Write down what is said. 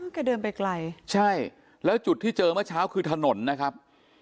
แกเดินไปไกลใช่แล้วจุดที่เจอเมื่อเช้าคือถนนนะครับ